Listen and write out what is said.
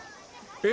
え？